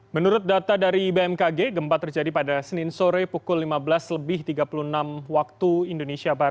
menurut data dari bmkg gempa terjadi pada senin sore pukul lima belas tiga puluh enam wib